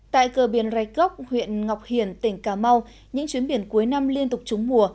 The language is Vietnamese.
tại cờ biển rạch gốc huyện ngọc hiển tỉnh cà mau những chuyến biển cuối năm liên tục trúng mùa